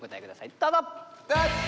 どうぞ。